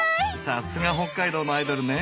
さすが北海道のアイドルね。